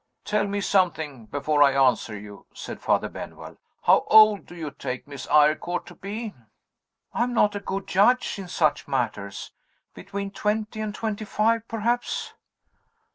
"Tell me something before I answer you," said Father Benwell. "How old do you take Miss Eyrecourt to be?" "I am not a good judge in such matters. Between twenty and twenty five, perhaps?"